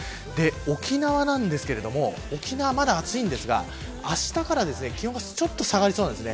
沖縄ですが沖縄はまだ暑いんですがあしたから気温がちょっと下がりそうです。